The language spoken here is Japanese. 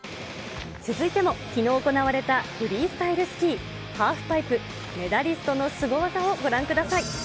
続いてもきのう行われたフリースタイルスキーハーフパイプ、メダリストのすご技をご覧ください。